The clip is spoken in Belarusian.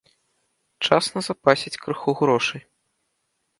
Час назапасіць крыху грошай.